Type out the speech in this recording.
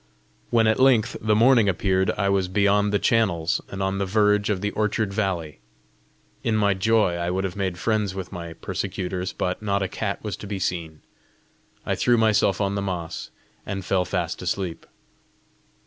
When at length the morning appeared, I was beyond the channels, and on the verge of the orchard valley. In my joy I would have made friends with my persecutors, but not a cat was to be seen. I threw myself on the moss, and fell fast asleep.